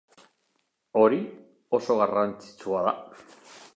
Hori oso garrantzitsua da.